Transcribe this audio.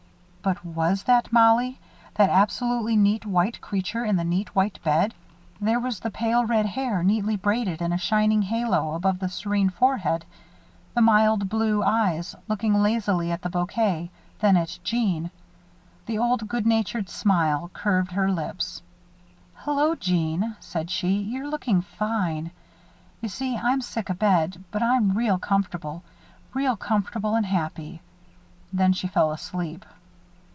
But was that Mollie that absolutely neat white creature in the neat white bed? There was the pale red hair neatly braided in a shining halo above the serene forehead. The mild blue eyes looked lazily at the bouquet, then at Jeanne. The old, good natured smile curved her lips. "Hello, Jeanne," she said, "you're lookin' fine. You see, I'm sick abed, but I'm real comfortable real comfortable and happy." Then she fell asleep.